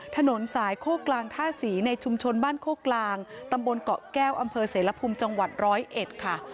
ถนนสายโคกกลางท่าศรีในชุมชนบ้านโคกลางตำบลเกาะแก้วอำเภอเสรภูมิจังหวัดร้อยเอ็ดค่ะ